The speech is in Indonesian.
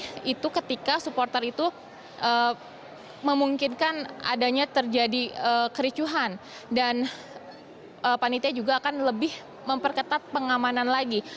jadi itu ketika supporter itu memungkinkan adanya terjadi kericuhan dan panitia juga akan lebih memperketat pengamanan lagi